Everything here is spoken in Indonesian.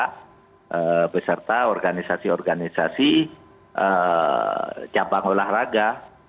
dan juga beserta organisasi organisasi cabang olahraga